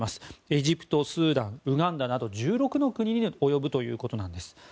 エジプト、スーダンウガンダなど１６の国に及ぶということなんです。